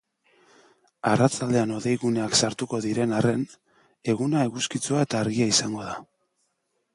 Arratsaldean hodeiguneak sartuko diren arren, eguna eguzkitsua eta argia izango da.